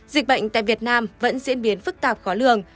dịch bệnh tại việt nam vẫn diễn biến phức tạp khó lường